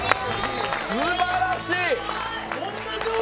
すばらしい！